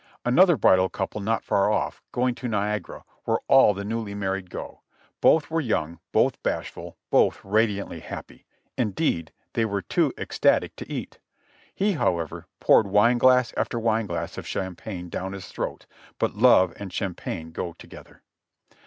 Another bridal couple not far off, going to Niagara, where all the newly married go ; both were young, both bashful, both radiantly happy; indeed they were too ecstatic to eat. He, how ever, poured wine glass after wine glass of champagne down his throat, but love and champagne go together.